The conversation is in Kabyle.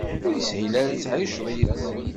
Ur yeshil ara ad tεiceḍ yid-sen.